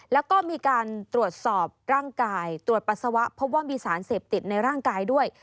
แล้วก็มีการตรวจสอบร่างกายตรวจปัสสาวะพบว่ามีสารเสพติดในร่างกายด้วย